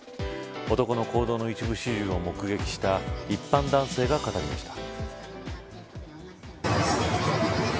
男の行動の一部始終を目撃した一般男性が語りました。